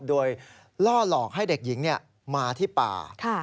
โดยล่อหลอกให้เด็กหญิงมาที่ป่า